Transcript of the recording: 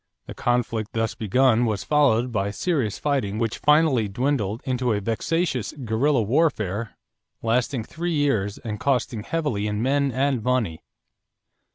The conflict thus begun was followed by serious fighting which finally dwindled into a vexatious guerrilla warfare lasting three years and costing heavily in men and money.